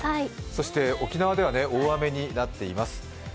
そして、沖縄では大雨になっています。